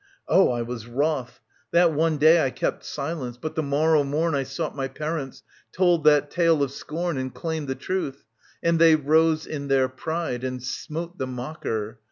Oh, I was wroth ! That one Day I kept silence, but the morrow morn I sought my parents, told that tale of scorn And claimed the truth ; and they rose in their pride And smote the mocker.